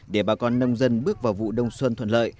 để bà con nông dân bước vào vụ đông xuân thuận lợi